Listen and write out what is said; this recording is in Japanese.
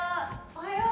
おはよう！